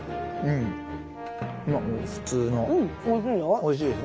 おいしいよ。